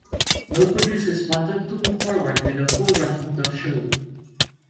No producers wanted to move forward with a full run of the show.